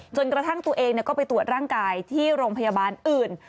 จนกระทั่งตัวเองก็ไปตรวจร่างกายที่โรงพยาบาลอื่น